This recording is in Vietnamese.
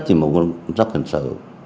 như một quan sát hình sự